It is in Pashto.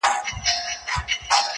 اې د مځكى پر مخ سيورې د يزدانه-